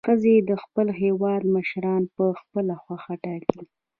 ښځې د خپل هیواد مشران په خپله خوښه ټاکي.